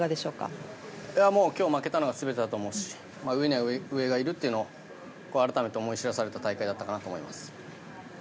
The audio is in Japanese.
今日負けたのが全てだと思うし上には上がいるっていうのを改めて思い知らされた大会だったと思います。